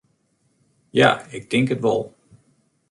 Ja, ik tink it wol.